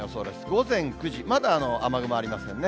午前９時、まだ雨雲ありませんね。